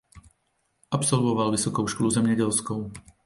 Absolvoval vysokou školu zemědělskou.